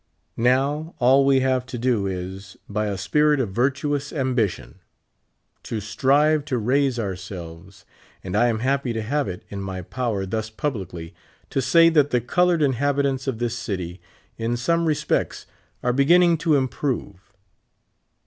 Now all we have to do is, by a spirit of virtuous ambition, to strive to raise ourselves ; and I am happy to have it in my power thus publicl}^ to say that the colored inhabi tants of this city, in some respects, are beginning to im 72 prove.